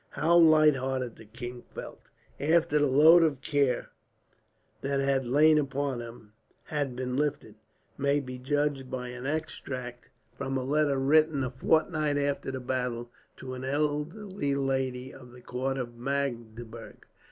How light hearted the king felt, after the load of care that had lain upon him had been lifted, may be judged by an extract from a letter, written a fortnight after the battle to an elderly lady of the court at Magdeburg.